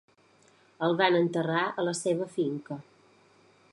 El van enterrar a la seva finca.